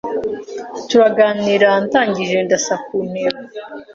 turaganira ndangije ndasa ku ntego